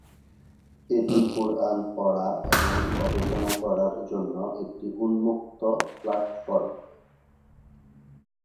এটি কুরআন পড়া এবং গবেষণা করার জন্য একটি উন্মুক্ত প্ল্যাটফর্ম।